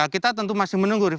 kita tentu masih menunggu